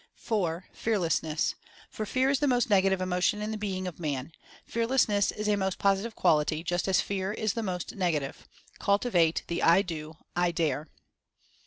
(4) Fearlessness; for Fear is the most negative emotion in the being of man. Fearlessness is a most Positive quality, just as Fear is the most Negative. Cultivate the "I Do— I Dare."